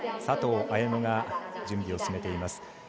佐藤綾乃が準備を進めています。